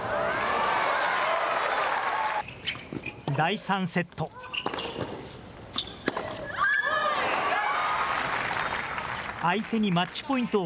第３セット。